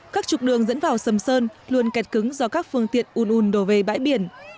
các trục đường dẫn vào sầm sơn luôn kẹt cứng do các phương tiện un un đổ về bãi biển